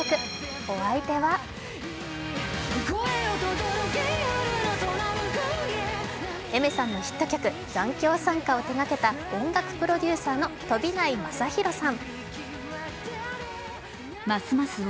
お相手はＡｉｍｅｒさんのヒット曲「残響散歌」を手がけた音楽プロデューサーの飛内将大さん。